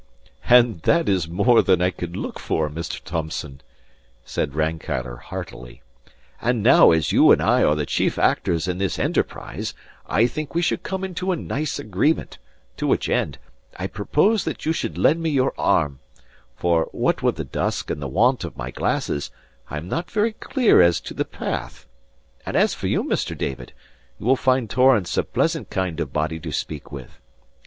"And that is more than I could look for, Mr. Thomson," said Rankeillor, heartily. "And now as you and I are the chief actors in this enterprise, I think we should come into a nice agreement; to which end, I propose that you should lend me your arm, for (what with the dusk and the want of my glasses) I am not very clear as to the path; and as for you, Mr. David, you will find Torrance a pleasant kind of body to speak with.